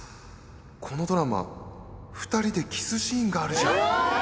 このドラマ、２人でキスシーンがあるじゃん。